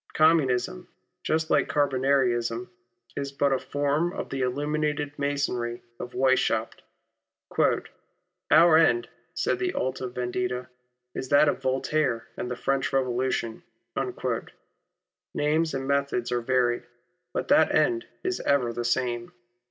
Communism, just like Carbonarism, is but a form of the illuminated Masonry of Weishaupt. " Our end," said the Alta Vendita, "is that of Voltaire and the French Revolution." Names and methods are varied, but that end is ever the same.